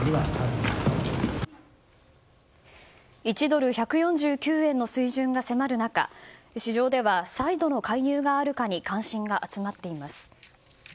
１ドル＝１４９円の水準が迫る中市場では、再度の介入があるかに関心が集まっています。